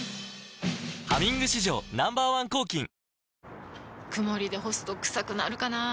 「ハミング」史上Ｎｏ．１抗菌曇りで干すとクサくなるかなぁ。